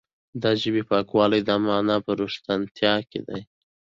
د ژبې پاکوالی د معنا په روښانتیا کې دی.